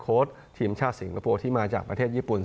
ทีมชาติสิงคโปร์ที่มาจากประเทศญี่ปุ่น